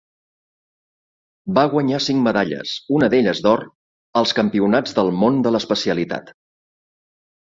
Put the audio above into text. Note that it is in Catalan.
Va guanyar cinc medalles, una d'elles d'or, als Campionats del món de l'especialitat.